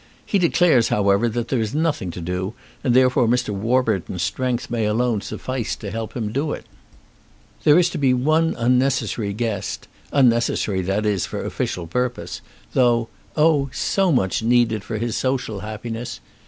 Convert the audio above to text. He declares, however, that there is nothing to do, and therefore Mr. Warburton's strength may alone suffice to help him to do it. There is to be one unnecessary guest, unnecessary, that is, for official purpose; though, oh, so much needed for his social happiness.